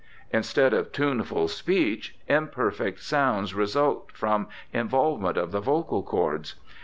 Instead of tuneful speech im perfect sounds result from involvement of the vocal cords.